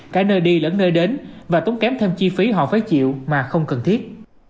cả nơi đi lẫn nơi đến và tốn kém thêm chi phí họ phải chịu mà không cần thiết